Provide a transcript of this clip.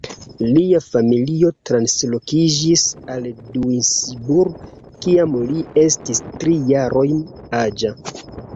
Lia familio translokiĝis al Duisburg kiam li estis tri jarojn aĝa.